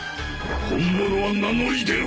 本物は名乗り出ろ。